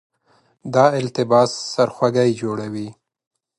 دا التباس سرخوږی جوړوي.